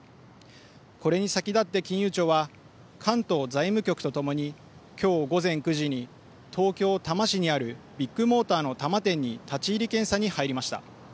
これに先立って金融庁は関東財務局とともにきょう午前９時に東京多摩市にあるビッグモーターの多摩店に立ち入り検査に入りました。